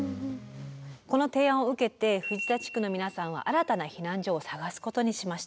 この提案を受けて藤田地区の皆さんは新たな避難所を探すことにしました。